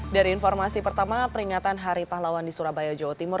dari informasi pertama peringatan hari pahlawan di surabaya jawa timur